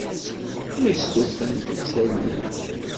Ma stufant, ad tt-allent.